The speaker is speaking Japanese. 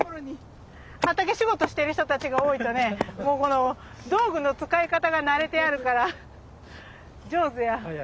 畑仕事してる人たちが多いとね道具の使い方が慣れてあるから上手や。